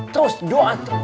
terus doa terus